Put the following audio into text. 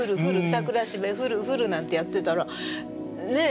桜蘂降る降る」なんてやってたらねえ？